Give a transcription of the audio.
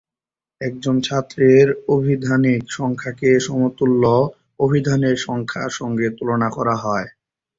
একজন ছাত্রের আভিধানিক সংখ্যাকে সমতুল্য অভিধানের সংখ্যার সঙ্গে তুলনা করা হয়।